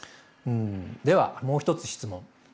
ではもう一つ質問。